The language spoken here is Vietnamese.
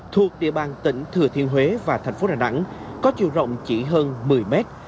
thuộc địa bàn tỉnh thừa thiên huế và thành phố đà nẵng có chiều rộng chỉ hơn một mươi mét